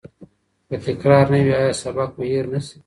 که تکرار نه وي، آیا سبق به هیر نه سی؟